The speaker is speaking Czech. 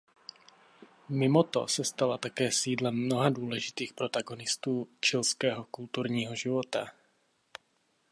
Mimo to se stala také sídlem mnoha důležitých protagonistů chilského kulturního života.